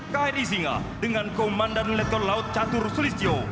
kri singa dengan komandan letkol laut catur sulistyo